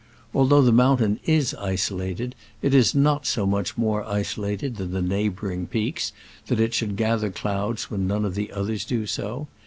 Although the mountain is iso lated, it is not so much more isolated than the neighboring peaks that it should gather clouds when none of the others do so.